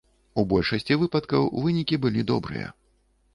У большасці выпадкаў вынікі былі добрыя.